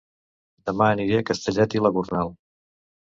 Dema aniré a Castellet i la Gornal